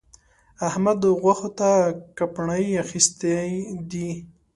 احمد؛ غوښو ته کپڼۍ اخيستی دی.